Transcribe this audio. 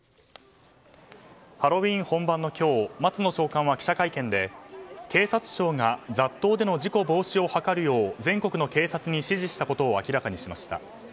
ハロウィーン本番の今日松野長官は、記者会見で警察庁が雑踏での事故防止を図るよう全国の警察に指示したことを明らかにしました。